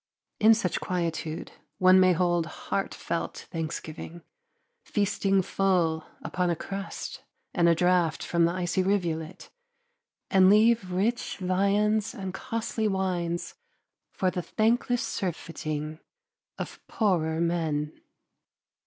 In such quietude one may hold heartfelt thanksgiving, feasting full upon a crust and a draught from the icy rivulet, and leave rich viands and costly wines for the thankless surfeiting of poorer men.